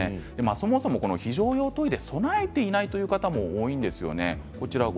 そもそも非常用トイレを備えていないという方も多いんです。